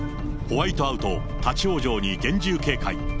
ホワイトアウト、立往生に厳重警戒。